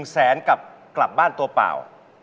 แสนกลับบ้านตัวเปล่า